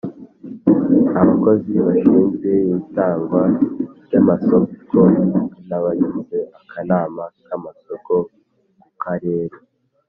Abakozi bashinzwe itangwa ry amasoko n abagize akanama k amasoko ku Karere